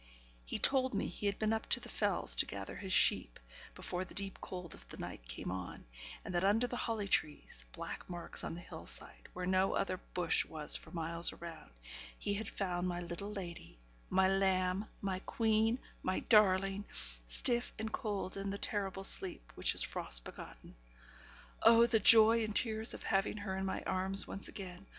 He told me he had been up the Fells to gather in his sheep, before the deep cold of night came on, and that under the holly trees (black marks on the hill side, where no other bush was for miles around) he had found my little lady my lamb my queen my darling stiff and cold in the terrible sleep which is frost begotten. Oh! the joy and the tears of having her in my arms once again!